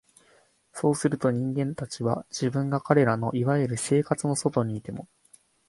そうすると、人間たちは、自分が彼等の所謂「生活」の外にいても、